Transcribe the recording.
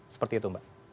seperti itu mbak